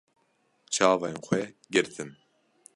Çavên xwe girtin.